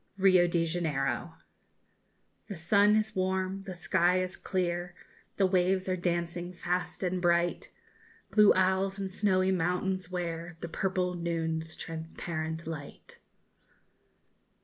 RIO DE JANEIRO. The sun is warm, the sky is clear, The waves are dancing fast and bright, Blue isles and snowy mountains wear _The purple noon's transparent light.